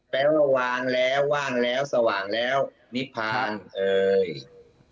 แปลว่าวางแล้วว่างแล้วสว่างแล้วนิพานเอ่ย